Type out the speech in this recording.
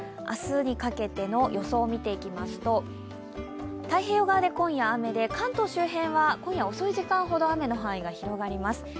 明日にかけての予想を見ていきますと、太平洋側で今夜雨で関東周辺は今夜遅い時間ほど雨の範囲が広がります。